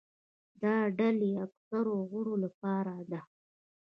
دا د ډلې اکثرو غړو لپاره ده.